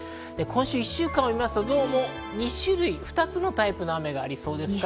今週１週間みますと２種類の雨、２つのタイプの雨がありそうです。